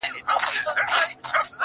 o پاچا صاحبه خالي سوئ، له جلاله یې.